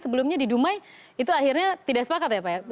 sebelumnya di dumai itu akhirnya tidak sepakat ya pak ya